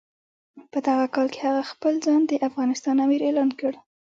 په دغه کال هغه خپل ځان د افغانستان امیر اعلان کړ.